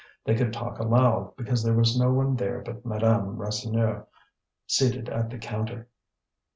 They could talk aloud, because there was no one there but Madame Rasseneur, seated at the counter.